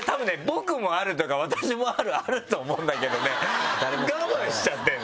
僕もあるとか私もあるあると思うんだけどね我慢しちゃってるのよね。